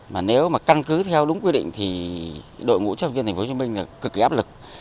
mà nếu mà căn cứ theo đúng quy định thì đội ngũ chấp hành viên tp hcm là cực kỳ áp lực